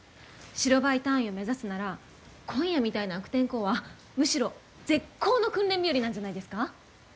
白バイ隊員を目指すなら今夜みたいな悪天候はむしろ絶好の訓練日和なんじゃないですか？